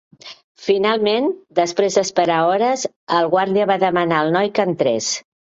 Finalment, després d'esperar hores, el guàrdia va demanar al noi que entrés.